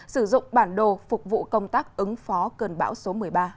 sử dụng bản đồ phục vụ công tác ứng phó cơn bão số một mươi ba